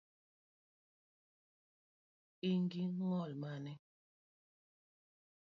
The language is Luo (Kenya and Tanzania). Ingi ng’ol mane?